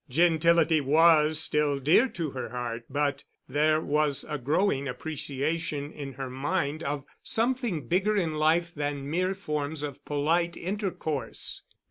Gentility was still dear to her heart, but there was a growing appreciation in her mind of something bigger in life than mere forms of polite intercourse.